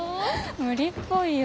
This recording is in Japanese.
無理っぽいよ。